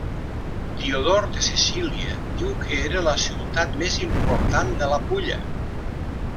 Diodor de Sicília diu que era la ciutat més important de la Pulla.